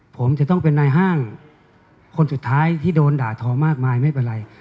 ผมจะต้องเป็นนายห้างคนสุดท้ายที่โดนด่าทอมากมายไม่เป็นไร